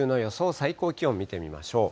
最高気温見てみましょう。